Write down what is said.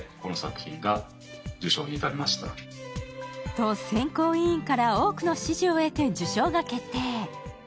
と、選考委員から多くの支持を得て受賞が決定。